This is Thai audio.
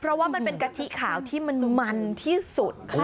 เพราะว่ามันเป็นกะทิขาวที่มันมันที่สุด